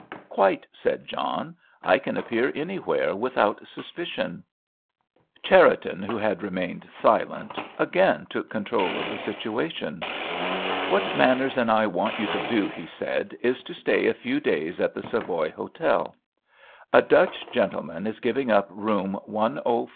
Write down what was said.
"Quite," said John. "I can appear anywhere without suspicion." Cherriton, who had remained silent, again took control of the situation. "What Manners and I want you to do," he said, "is to stay a few days at the Savoy Hotel. A Dutch gentleman is giving up Room 104C.